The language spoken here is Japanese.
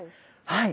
はい。